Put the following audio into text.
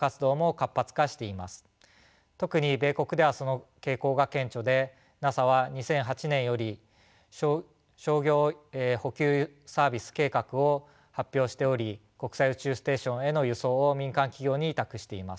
特に米国ではその傾向が顕著でＮＡＳＡは２００８年より商業補給サービス計画を発表しており国際宇宙ステーションへの輸送を民間企業に委託しています。